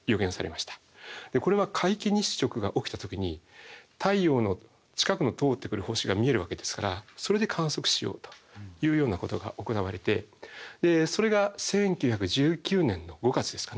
これは皆既日食が起きた時に太陽の近くを通ってくる星が見えるわけですからそれで観測しようというようなことが行われてでそれが１９１９年の５月ですかね。